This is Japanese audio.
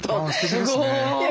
すごい！